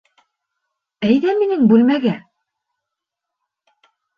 — Әйҙә минең бүлмәгә!